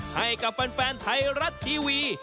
ให้กับแฟนไทยรัฐทีวี